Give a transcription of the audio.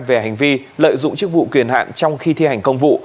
về hành vi lợi dụng chức vụ quyền hạn trong khi thi hành công vụ